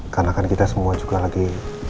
karena kan kita semua juga lagi